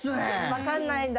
分かんないんだ。